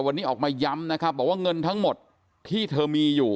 วันนี้ออกมาย้ำนะครับบอกว่าเงินทั้งหมดที่เธอมีอยู่